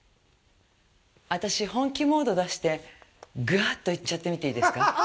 私、本気モード出してがあっと行っちゃってみていいですか。